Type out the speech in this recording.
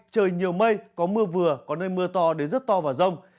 trời nhiều mây có mưa vừa có nơi mưa to đến rất to và rông